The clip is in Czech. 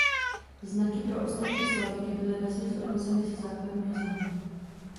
Znaky pro ostatní slabiky byly vesměs odvozeny ze základního znaku.